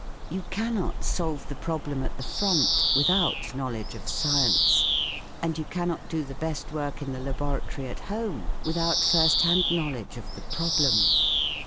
You cannot solve the problem at the front without knowledge of science, and you cannot do the best work in the laboratory at home without first hand knowledge of the problem.